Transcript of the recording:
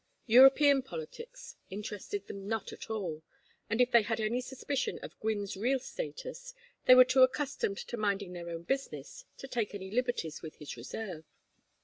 European politics interested them not at all, and if they had any suspicion of Gwynne's real status, they were too accustomed to minding their own business to take any liberties with his reserve.